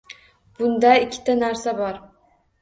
Bunda ikkita narsa bor.